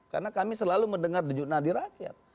karena kami selalu mendengar bejuk nadi rakyat